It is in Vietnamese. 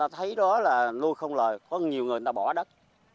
thấy đó là nuôi không lợi có nhiều người bỏ đất